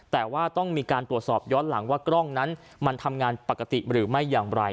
แต่ว่าต้องมีการตรวจสอบย้อนหลังว่ากล้องนั้นมันทำงานปกติหรือไม่อย่างไร